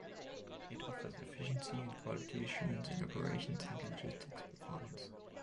It offers efficiency and quality assurance in operations and logistics performance.